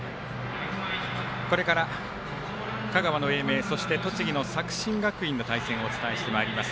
これから香川の英明そして、栃木の作新学院の試合をお伝えしていきます。